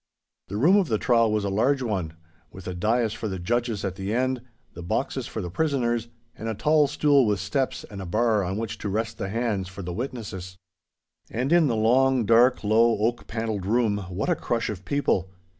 The room of the trial was a large one, with a dais for the judges at the end, the boxes for the prisoners, and a tall stool with steps and a bar on which to rest the hands, for the witnesses. And in the long, dark, low, oak panelled room what a crush of people!